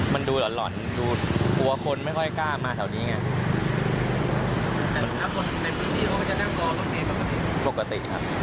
มันดูหล่อนดูกลัวคนไม่ค่อยกล้ามาแถวนี้ไง